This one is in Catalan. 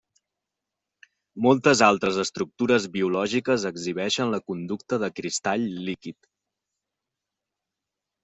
Moltes altres estructures biològiques exhibeixen la conducta de cristall líquid.